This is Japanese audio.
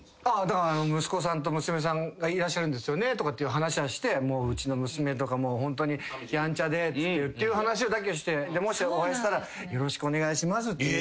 息子さんと娘さんがいらっしゃるんですよねとかっていう話はしてうちの娘とかヤンチャでっていう話を「もしお会いしたらよろしくお願いします」っていう話。